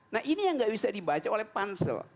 nah ini yang nggak bisa dibaca oleh pansel